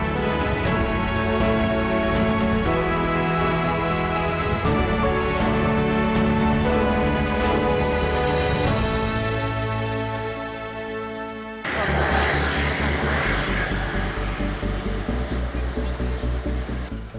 digitalizasi iot technologi